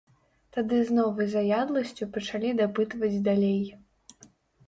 Тады з новай заядласцю пачалі дапытваць далей.